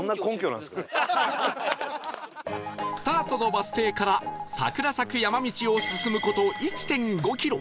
スタートのバス停から桜咲く山道を進む事 １．５ キロ